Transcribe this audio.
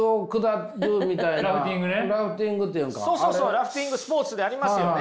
ラフティングスポーツでありますよね。